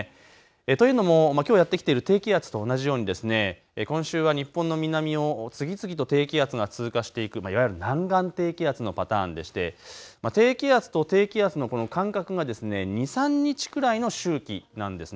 というのもきょうやって来ている低気圧と同じように今週は日本の南を次々と低気圧が通過していくいわゆる南岸低気圧のパターンでして、低気圧と低気圧のこの間隔が２、３日くらいの周期なんですね。